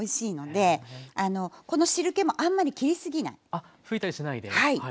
あ拭いたりしないで。